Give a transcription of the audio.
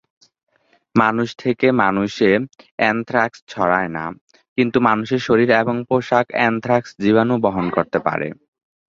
মানুষ থেকে মানুষে অ্যানথ্রাক্স ছড়ায় না, কিন্তু মানুষের শরীর এবং পোশাক অ্যানথ্রাক্স জীবাণু বহন করতে পারে।